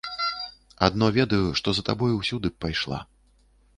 Адно ведаю, што за табою ўсюды б пайшла.